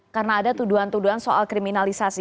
karena ada tuduhan tuduhan soal kriminalisasi